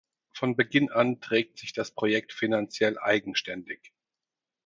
Von Beginn an trägt sich das Projekt finanziell eigenständig.